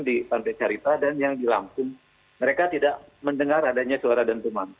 dan yang dilangsung mereka tidak mendengar adanya suara dentuman